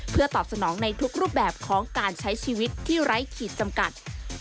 เพื่อตอบสนองในทุกรูปแบบของการใช้ชีวิตที่ไร้ขีดจำกัด